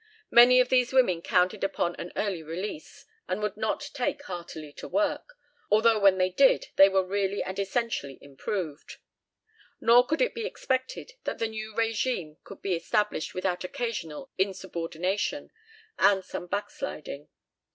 Many of these women counted upon an early release, and would not take heartily to work, although when they did they were "really and essentially improved." Nor could it be expected that the new régime could be established without occasional insubordination and some backsliding.